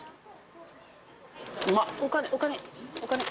うまっ。